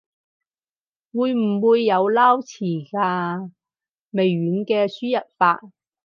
會唔會有撈詞㗎？微軟嘅輸入法